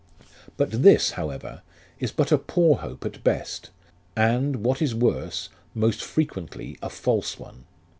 But this, however, is but a poor hope at best, and, what is worse, most frequently a false one.